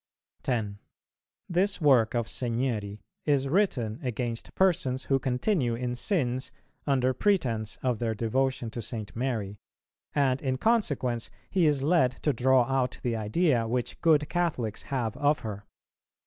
10. This work of Segneri is written against persons who continue in sins under pretence of their devotion to St. Mary, and in consequence he is led to draw out the idea which good Catholics have of her.